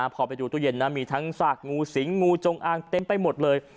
พอไปดูตู้เย็นนะมีทั้งซากงูสิงงูจงอางเต็มไปหมดเลย